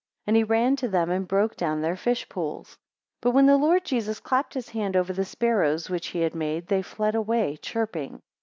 And he ran to them, and broke down their fish pools. 19 But when the Lord Jesus clapped his hands over the sparrows which he had made, they fled away chirping.